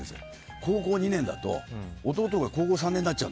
高校２年だと弟が高校３年になっちゃう。